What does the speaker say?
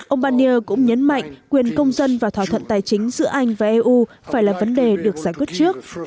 ông barnier cũng nhấn mạnh quyền công dân và thỏa thuận tài chính giữa anh và eu phải là vấn đề được giải quyết trước